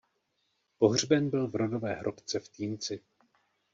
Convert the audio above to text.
Pohřben byl v rodové hrobce v Týnci.